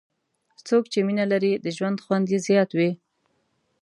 څوک چې مینه لري، د ژوند خوند یې زیات وي.